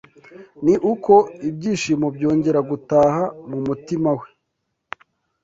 ni uko ibyishimo byongera gutaha mu mutima we